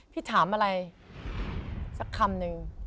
พี่ถามอะไรสักคำหนึ่ง